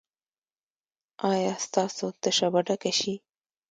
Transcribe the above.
ایا ستاسو تشه به ډکه شي؟